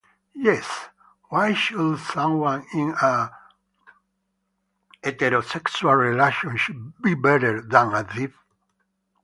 Yes, why should someone in a homosexual relationship be better than a thief?